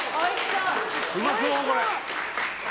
うまそう、これ。